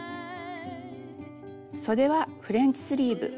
そではフレンチスリーブ。